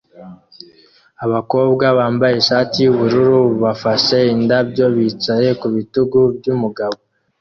Abakobwa bambaye ishati yubururu bafashe indabyo bicaye ku bitugu byumugabo